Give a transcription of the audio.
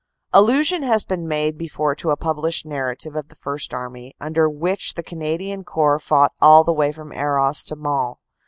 Allusion has been made before to a published narrative of the First Army, under which the Canadian Corps fought all the way from Arras to Mons.